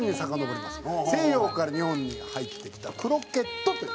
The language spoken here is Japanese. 西洋から日本に入ってきたクロケットという。